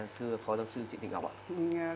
thưa phó giáo sư trịnh thị ngọc ạ